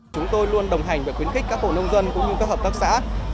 chúng tôi luôn đồng hành và khuyến khích các hộ nông dân cũng như các hợp tác xã